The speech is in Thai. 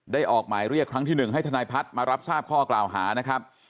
ออกหมายเรียกครั้งที่๑ให้ทนายพัฒน์มารับทราบข้อกล่าวหานะครับ